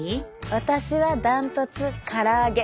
私は断トツから揚げ。